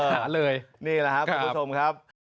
หาเลยนี่แหละครับคุณผู้ชมครับ